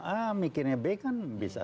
a mikirnya b kan bisa